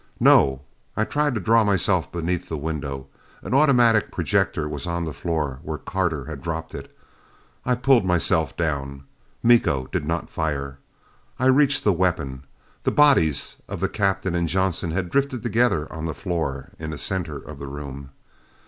"No!" I tried to draw myself beneath the window. An automatic projector was on the floor where Carter had dropped it. I pulled myself down. Miko did not fire. I reached the weapon. The bodies of the Captain and Johnson had drifted together on the floor in the center of the room.